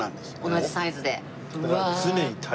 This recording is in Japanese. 同じサイズで。